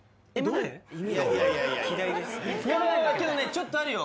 ちょっとあるよ。